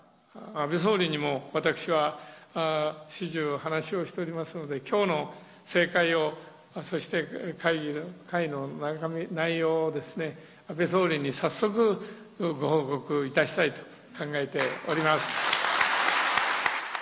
安倍総理にも私は始終話をしておりますので、きょうの盛会を、そして会の内容をですね、安倍総理に早速ご報告いたしたいと考えております。